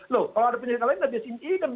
loh kalau ada penyelidikan lain